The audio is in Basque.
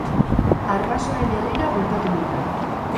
Arbasoen herrira bueltatu dira.